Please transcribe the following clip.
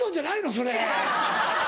それ。